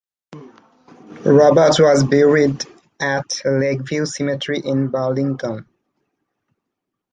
Roberts was buried at Lakeview Cemetery in Burlington.